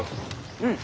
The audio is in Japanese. うん。